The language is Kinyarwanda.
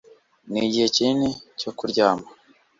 Nigihe kinini cyo kuryama